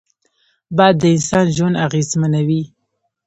باد د انسان ژوند اغېزمنوي